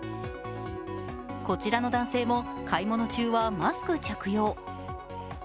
こちらの男声も買い物中はマスク着用。